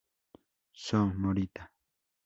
So Morita